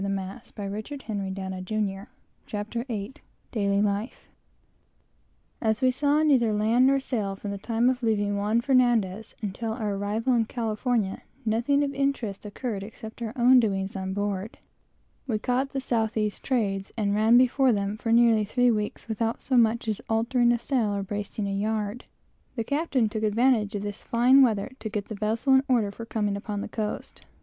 CHAPTER VIII "TARRING DOWN" DAILY LIFE "GOING AFT" CALIFORNIA As we saw neither land nor sail from the time of leaving Juan Fernandez until our arrival in California, nothing of interest occurred except our own doing on board. We caught the south east trades, and run before them for nearly three weeks, without so much as altering a sail or bracing a yard. The captain took advantage of this fine weather to get the vessel in order for coming upon the coast.